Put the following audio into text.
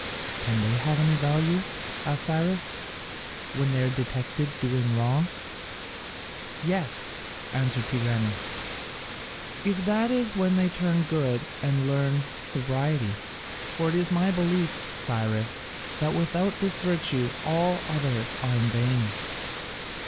"Can they have any value," asked Cyrus, "when they are detected doing wrong?" "Yes," answered Tigranes, "if that is when they turn to good and learn sobriety. For it is my belief, Cyrus, that without this virtue all others are in vain.